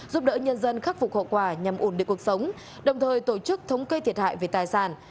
giúp đỡ nhân dân khắc phục hậu quả nhằm ổn định cuộc sống đồng thời tổ chức thống kê thiệt hại về tài sản